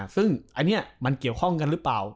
ซึ่งอันนี้มันเกี่ยวข้องกันหรือเปล่า